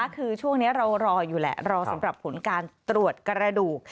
คือช่วงนี้เรารออยู่แหละรอสำหรับผลการตรวจกระดูก